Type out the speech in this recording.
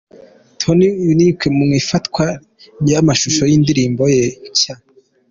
Tonny Unique mu ifatwa ry'amashusho y'indirimbo ye nshya.